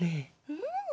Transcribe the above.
うん。